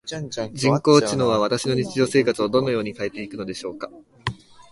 人工知能は私の日常生活をどのように変えていくのでしょうか？